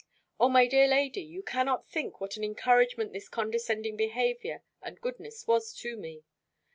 O my dear lady! you cannot think what an encouragement this condescending behaviour and goodness was to me.